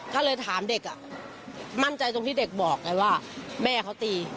ก็เลยถามเด็กมั่นใจตรงที่เด็กบอกไงว่าแม่เขาตี